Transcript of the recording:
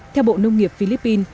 theo bộ nông nghiệp philippines